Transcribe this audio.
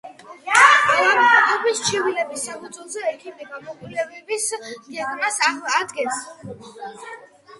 ავადმყოფის ჩივილების საფუძველზე ექიმი გამოკვლევის გეგმას ადგენს.